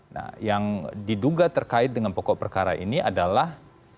nah yang diduga terkait dengan pokok perkara ini adalah